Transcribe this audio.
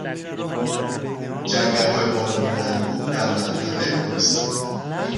جنگلهای بارانی انبوه در منطقه کوهستانی